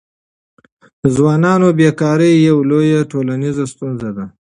د ځوانانو بېکاري یوه لویه ټولنیزه ستونزه ده.